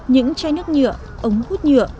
những chai nước nhựa ống hút nhựa